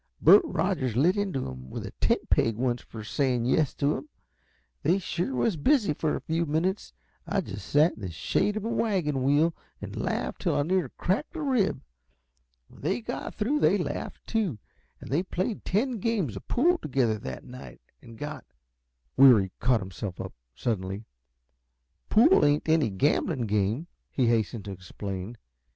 Bert Rogers lit into him with a tent peg once, for saying yes at him. They sure was busy for a few minutes. I just sat in the shade of a wagon wheel and laughed till I near cracked a rib. When they got through they laughed, too, and they played ten games uh pool together that night, and got " Weary caught himself up suddenly. "Pool ain't any gambling game," he hastened to explain.